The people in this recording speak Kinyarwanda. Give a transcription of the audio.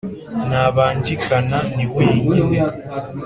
ntabangikana, ni wenyine.